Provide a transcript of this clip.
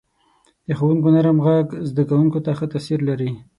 • د ښوونکو نرم ږغ زده کوونکو ته ښه تاثیر لري.